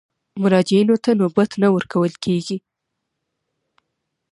مراجعینو ته نوبت نه ورکول کېږي.